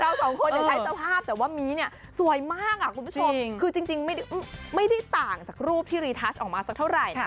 สองคนใช้สภาพแต่ว่ามีเนี่ยสวยมากคุณผู้ชมคือจริงไม่ได้ต่างจากรูปที่รีทัสออกมาสักเท่าไหร่นะ